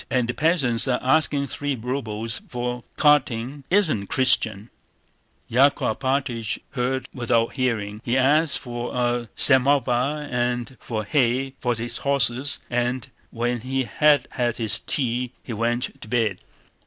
And the peasants are asking three rubles for carting—it isn't Christian!" Yákov Alpátych heard without heeding. He asked for a samovar and for hay for his horses, and when he had had his tea he went to bed.